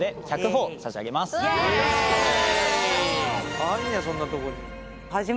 あんねやそんなとこに。